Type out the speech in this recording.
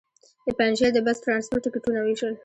د پنجشېر د بس ټرانسپورټ ټکټونه وېشل.